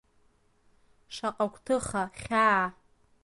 Шаҟа гәҭыха, хьаа…